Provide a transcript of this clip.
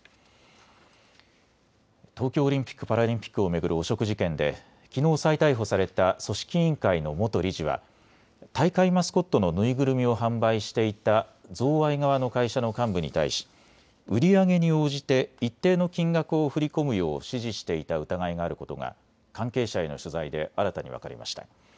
東京オリンピック・パラリンピックを巡る汚職事件できのう再逮捕された組織委員会の元理事は大会マスコットの縫いぐるみを販売していた贈賄側の会社の幹部に対し売り上げに応じて一定の金額を振り込むよう指示していた疑いがあることが関係者への取材で新たに分かりました。